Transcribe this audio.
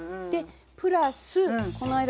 プラスこの間